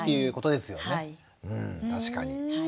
うん確かに。